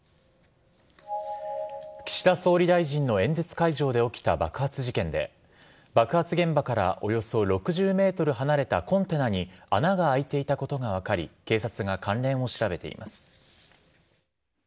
岸田総理大臣の演説会場で起きた爆発事件で爆発現場からおよそ６０ｍ離れたコンテナに穴が開いていたことが分かり警察が関連を調べています。